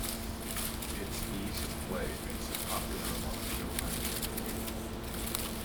Its ease of play makes it popular among children and the youth.